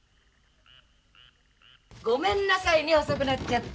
ごめんなさいね遅くなっちゃって。